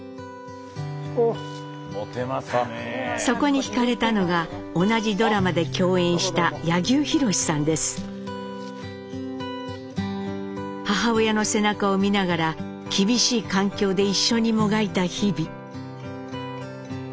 そこに惹かれたのが同じドラマで共演した母親の背中を見ながら厳しい環境で一緒にもがいた日々。